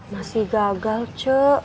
masih gagal c